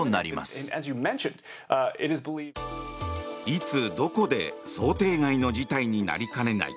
いつ、どこで想定外の事態になりかねない。